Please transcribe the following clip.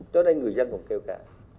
cho nên người dân còn kêu khả